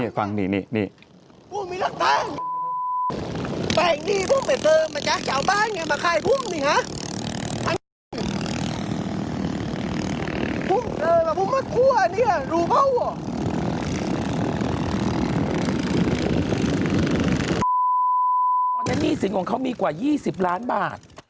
ตอนนี้หนี้สินของเขามีกว่า๒๐ล้านบาท